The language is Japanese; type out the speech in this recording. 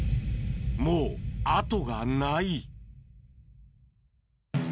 もう後がない。